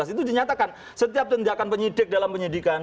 itu dinyatakan setiap tindakan penyidik dalam penyidikan